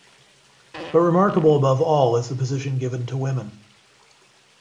But remarkable above all is the position given to women.